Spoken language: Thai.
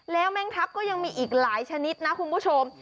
แล้วแม่งทัพก็ยังมีอีกหลายชนิดนะคุณผู้ชม